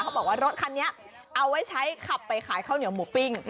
บอกว่ารถคันนี้เอาไว้ใช้ขับไปขายข้าวเหนียวหมูปิ้ง